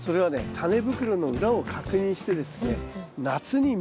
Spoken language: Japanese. タネ袋の裏を確認してですね